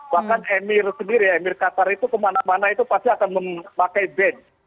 bahkan emir sendiri emir qatar itu kemana mana itu pasti akan memakai badge